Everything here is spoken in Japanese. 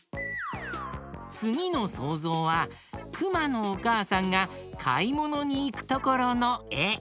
つぎのそうぞうはくまのおかあさんがかいものにいくところのえ。